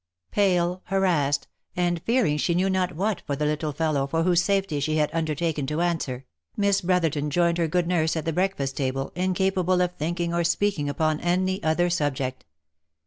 189 Pale, harassed, and fearing she knew not what for the little fellow, for whose safety she had undertaken to answer, Miss Brotherton joined her good nurse at the breakfast table, incapable of thinking or speak ing upon any other subject.